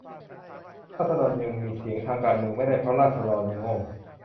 ราษฎรยังมีเสียงทางการเมืองไม่ได้ เพราะราษฎรยังโง่